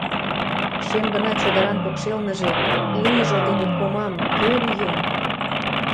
Шем гына чодыран покшелныже Луйжо дене комам кӧ лӱен?